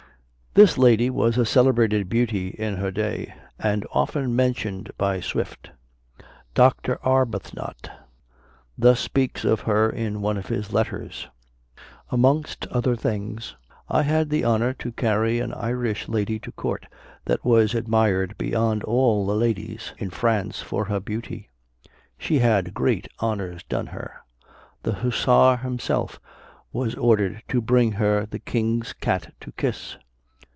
This lady was a celebrated beauty in her day, and often mentioned by Swift. Dr. Arbuthnot thus speaks of her in one of his letters: "Amongst other things, I had the honor to carry an Irish lady to court that was admired beyond all the ladies in France for her beauty. She had great honors done her. The hussar himself was ordered to bring her the King's cat to kiss.